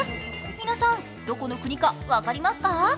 皆さん、どこの国か分かりますか？